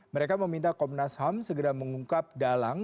mereka meminta komnas ham segera mengungkap dalang